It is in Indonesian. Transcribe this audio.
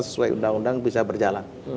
sesuai undang undang bisa berjalan